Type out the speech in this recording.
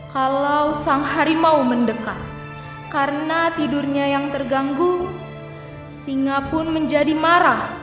kalau sang harimau mendekat karena tidurnya yang terganggu singa pun menjadi marah